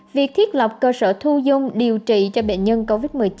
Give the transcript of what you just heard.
việc thiết lập cơ sở thu dung điều trị cho bệnh nhân covid một mươi chín